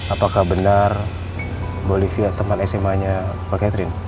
apakah benar mbak olivia teman sma nya pak catherine